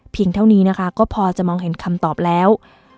เพียงเท่านี้ก็พอจะมองเห็นคำตอบแล้ว